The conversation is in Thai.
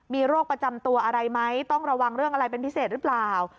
มีโรคประจำตัวอะไรไหมต้องระวังเรื่องอะไรเป็นพิเศษหรือเปล่า